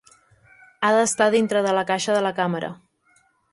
Ha d'estar dintre de la caixa de la càmera.